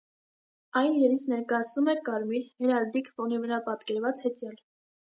Այն իրենից ներկայացնում է կարմիր հերալդիկ ֆոնի վրա պատկերված հեծյալ։